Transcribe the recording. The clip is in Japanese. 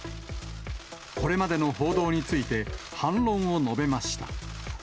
これまでの報道について、反論を述べました。